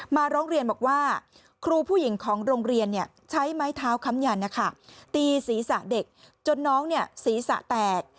มาร้องเรียนบอกว่าครูผู้หญิงของโรงเรียนเนี่ยใช้ไม้เท้าค้ำยันนะคะตีสีสะเด็กจนน้องเนี่ยสีสะแตก